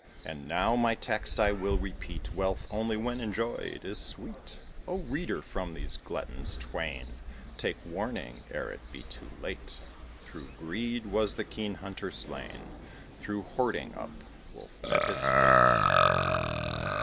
And now my text I will repeat Wealth, only when enjoyed, is sweet. Oh, reader, from these gluttons twain Take warning, ere it be too late. Through greed was the keen Hunter slain; Through hoarding up Wolf met his fate.